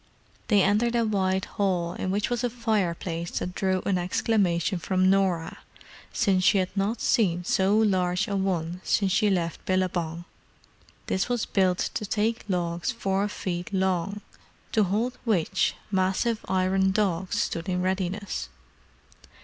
They entered a wide hall in which was a fireplace that drew an exclamation from Norah, since she had not seen so large a one since she left Billabong. This was built to take logs four feet long, to hold which massive iron dogs stood in readiness.